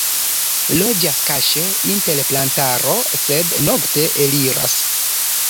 Loĝas kaŝe inter plantaro, sed nokte eliras.